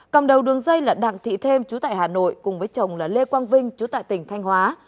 cầm đầu đường dây là đặng thị thêm chú tại hà nội cùng với chồng là lê quang vinh chú tại tỉnh thanh hóa